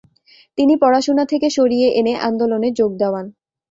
তিনি পড়াশুনা থেকে সরিয়ে এনে আন্দোলনে যোগ দেওয়ান।